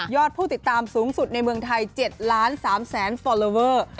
ผู้ติดตามสูงสุดในเมืองไทย๗ล้าน๓แสนฟอลลอเวอร์